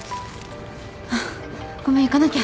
あっごめん行かなきゃ。